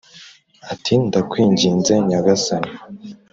ati “Ndakwinginze nyagasani